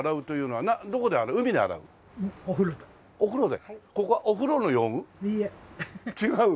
お風呂で。